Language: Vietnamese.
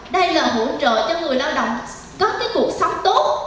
đây là hỗ trợ cho người lao động có cái cuộc sống tốt